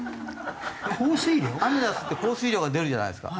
アメダスって降水量が出るじゃないですか。